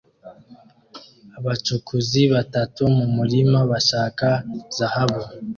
Abacukuzi batatu mu murima bashaka zahabu